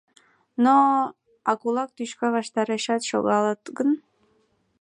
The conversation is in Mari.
Но, а кулак тӱшка ваштарешет шогалыт гын?